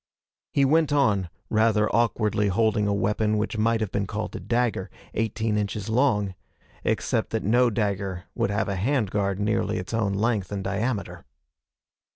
He went on, rather awkwardly holding a weapon which might have been called a dagger, eighteen inches long, except that no dagger would have a hand guard nearly its own length in diameter.